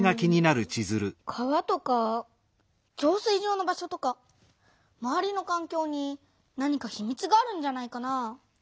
川とか浄水場の場所とかまわりのかんきょうに何かひみつがあるんじゃないかな？